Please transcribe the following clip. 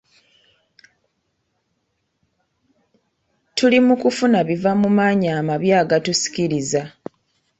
Tuli mu kufuna biva mu maanyi amabi agatusikiriza.